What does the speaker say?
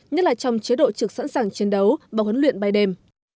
nhất là trong chế độ trực sẵn sàng chiến đấu và huấn luyện bay đêm